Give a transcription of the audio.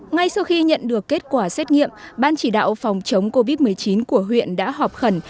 ngay sau khi nhận được kết quả xét nghiệm ban chỉ đạo phòng chống covid một mươi chín của huyện đã họp khẩn